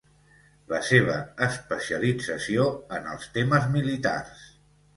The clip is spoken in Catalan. La seva especialització en els temes militars.